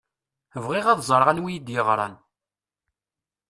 Bɣiɣ ad ẓṛeɣ anwa i d-yeɣṛan.